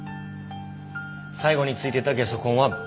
最後についていたゲソ痕はＢ。